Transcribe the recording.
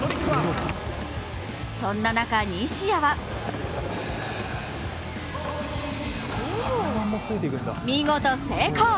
そんな中、西矢は見事成功！